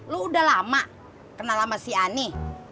lo udah lama kenal sama si ani